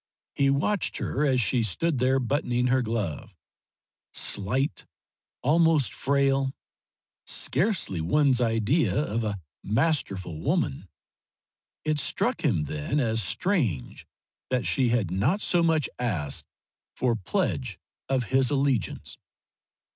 He watched her as she stood there buttoning her glove slight, almost frail, scarcely one's idea of a "masterful woman." It struck him then as strange that she had not so much as asked for pledge of his allegiance.